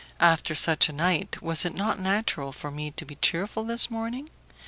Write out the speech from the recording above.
After such a night, was it not natural for me to be cheerful this morning?